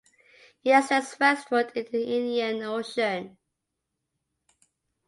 It extends westward into the Indian Ocean.